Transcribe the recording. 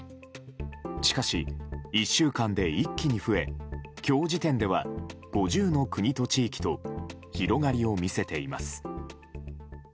しかし、１週間で一気に増え今日時点では５０の国と地域と広がりを見せています。